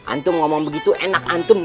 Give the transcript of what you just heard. antum ngomong begitu enak antum